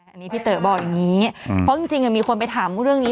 อันนี้พี่เต๋อบอกอย่างนี้เพราะจริงมีคนไปถามเรื่องนี้